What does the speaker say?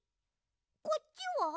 こっちは？